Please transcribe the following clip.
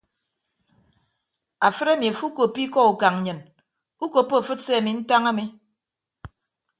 Afịt emi afo ukoppo ikọ ukañ nnyịn ukoppo afịt se ami ntañ ami.